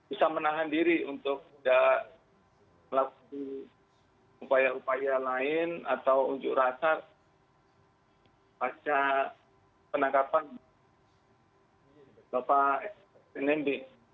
bisa menahan diri untuk tidak melakukan upaya upaya lain atau unjuk rasa pasca penangkapan bapak nmb